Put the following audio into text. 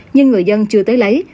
nhưng người dân chưa tới lấy